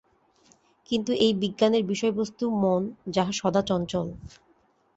কিন্তু এই বিজ্ঞানের বিষয়বস্তু মন, যাহা সদা চঞ্চল।